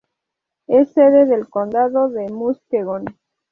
Es sede del condado de Muskegon.